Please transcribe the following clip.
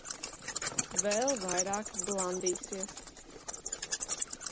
Vēl vairāk blandīsies.